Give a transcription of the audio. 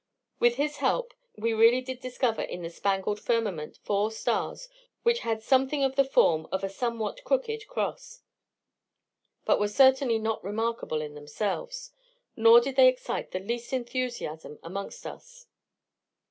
With his help, we really did discover in the spangled firmament four stars, which had something of the form of a somewhat crooked cross, but were certainly not remarkable in themselves, nor did they excite the least enthusiasm amongst us.